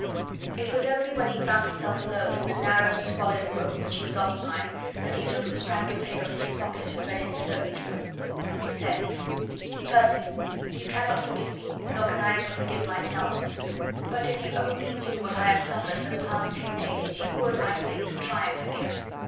It was only when he found himself alone in the narrow, squalid room which he was occupying that he took the scrap of paper from his pocket and read it slowly through. It said: Percy, you cannot forgive me, nor can I ever forgive myself, but if you only knew what I have suffered for the past two days you would, I think, try and forgive.